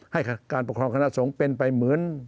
ให้การปกครองคณะสงฆ์เป็นไปเหมือน